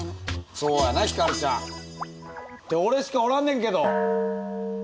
そうやなヒカルちゃん。って俺しかおらんねんけど！